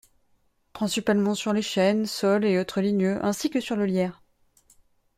Principalement sur les chênes, saules et autres ligneux, ainsi que sur le lierre.